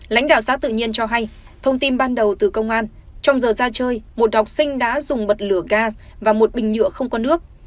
lãnh đạo xã tự nhiên cho hay thông tin ban đầu từ công an trong giờ ra chơi một học sinh đã dùng bật lửa gaz và một bình nhựa không có nước